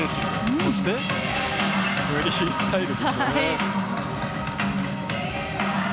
そして、フリースタイル。